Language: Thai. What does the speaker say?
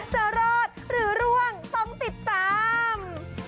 จะรอดหรือร่วงต้องติดตาม